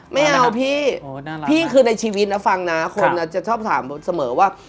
ไม่เอาพี่พี่คือในชีวิตนะฟังนะคนจะชอบถามเสมอว่า